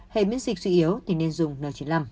hay miễn dịch dữ yếu thì nên dùng n chín mươi năm